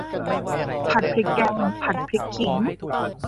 ผัดพริกแกง ผัดพริกขิง